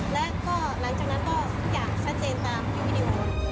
แล้วก็หลังจากนั้นก็ทุกอย่างชัดเจนตามคลิปวิดีโอ